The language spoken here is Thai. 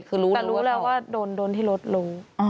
แต่รู้แล้วว่าโดนที่รถลง